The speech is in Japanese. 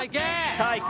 ・さあいく。